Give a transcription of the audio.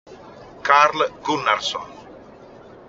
Carl Gunnarsson